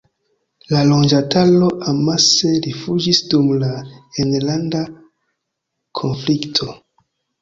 La loĝantaro amase rifuĝis dum la enlanda konflikto.